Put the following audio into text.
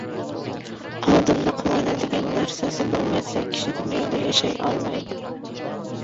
Oldinda quvonadigan narsasi bo‘lmasa, kishi dunyoda yashay olmaydi.